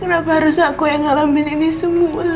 kenapa harus aku yang ngalamin ini semua